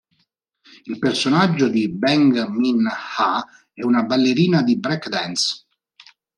Il personaggio di Bang Min-ah è una ballerina di break dance.